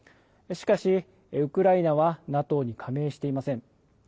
しかし、ウクライナはＮＡＴＯに加盟していません。